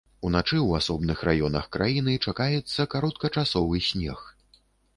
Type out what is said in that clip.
Уначы ў асобных раёнах краіны чакаецца кароткачасовы снег.